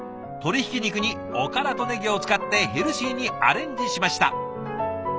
鶏ひき肉におからとねぎを使ってヘルシーにアレンジしました。